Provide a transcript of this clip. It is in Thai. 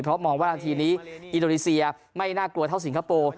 เพราะมองว่านาทีนี้อินโดนีเซียไม่น่ากลัวเท่าสิงคโปร์